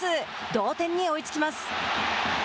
同点に追いつきます。